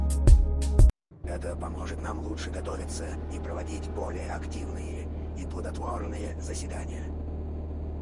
Это поможет нам лучше готовиться и проводить более активные и плодотворные заседания.